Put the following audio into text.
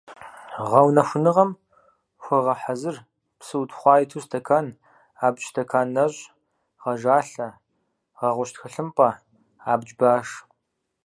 Гъэунэхуныгъэм хуэгъэхьэзыр псы утхъуа иту стэкан, абдж стэкан нэщӀ, гъэжалъэ, гъэгъущ тхылъымпӀэ, абдж баш.